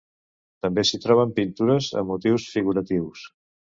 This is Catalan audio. També s'hi troben pintures amb motius figuratius.